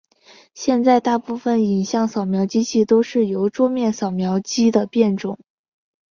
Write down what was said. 现在大部份影像扫描机都是桌面扫描机的变种。